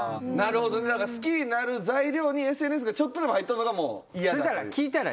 だから好きになる材料にＳＮＳがちょっとでも入っとんのがもう嫌だっていう。